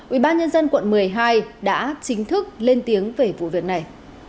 ubnd quận một mươi hai đã chính thức lên tiếng về vụ việc này